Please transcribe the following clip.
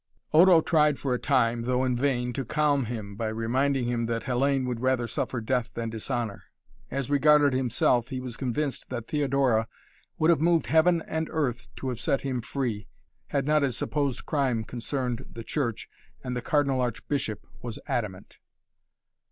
Odo tried for a time, though in vain, to calm him by reminding him that Hellayne would rather suffer death than dishonor. As regarded himself, he was convinced that Theodora would have moved heaven and earth to have set him free, had not his supposed crime concerned the Church and the Cardinal Archbishop was adamant.